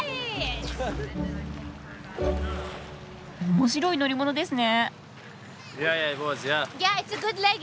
面白い乗り物ですね！